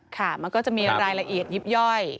ค่ะมันก็จะมีรายละเอียดยิบย่อย